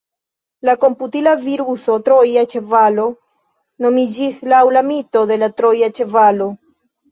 La komputila viruso troja ĉevalo nomiĝis laŭ la mito de la troja ĉevalo.